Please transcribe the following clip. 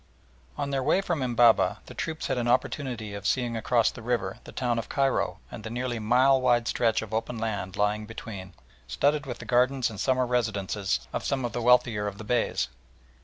On their way from Embabeh the troops had an opportunity of seeing across the river the town of Cairo and the nearly mile wide stretch of open land lying between, studded with the gardens and summer residences of some of the wealthier of the Beys.